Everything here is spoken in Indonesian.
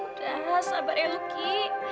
udah sabar ya luki